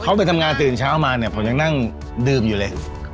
เขาไปทำงานตื่นเช้ามาเนี่ยผมยังนั่งดื่มอยู่เลย